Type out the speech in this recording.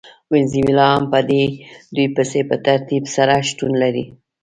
وینزویلا هم په دوی پسې په ترتیب سره شتون لري.